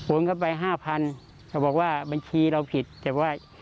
เข้าไปห้าพันเขาบอกว่าบัญชีเราผิดแต่ว่า